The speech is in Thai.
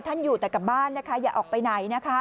ท่านอยู่แต่กลับบ้านอย่าออกไปไหน